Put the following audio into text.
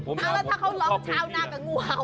แล้วถ้าเขาร้องชาวนากับงูเห่า